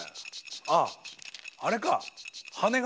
あああれか。